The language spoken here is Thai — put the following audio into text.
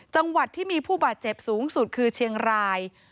จังหวัดที่มีผู้บาดเจ็บสูงสุดคือเชียงราย